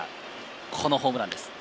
このホームランです。